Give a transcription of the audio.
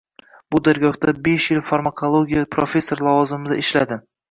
Bu dargohda besh yil farmakologiya profesori lavozimida ishladi